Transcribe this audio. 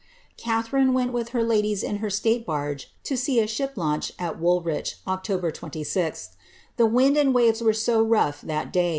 <.'atharine went with her ladies in her state barge to see a ship launch at Woolwich, October 26. The wind and waves were so rou'^h that day.